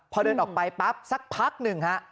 พอเดินออกไปปั๊บสักพักหนึ่งฮะ